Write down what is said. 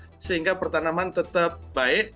sehingga pertanaman tetap baik